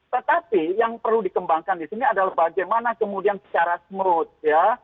tetapi yang perlu dikembangkan di sini adalah bagaimana kemudian secara smooth ya